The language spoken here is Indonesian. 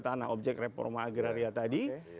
tanah objek reforma agraria tadi